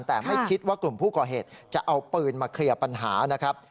แต่ไม่คิดว่ากลุ่มผู้ก่อเหตุจะเอาปืนมาเคลียร์ปัญหานะครับ